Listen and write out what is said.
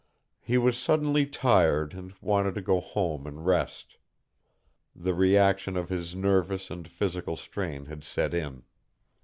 He was suddenly tired and wanted to go home and rest. The reaction of his nervous and physical strain had set in.